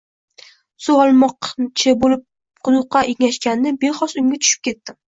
Suv olmoqchi bo‘lib quduqqa engashgandim, bexos unga tushib ketdim.